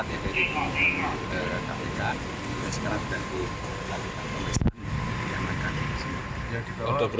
jadi kalau ke kpk sekarang sudah buka